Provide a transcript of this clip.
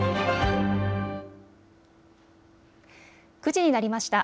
９時になりました。